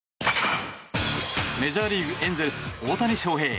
メジャーリーグ、エンゼルス大谷翔平。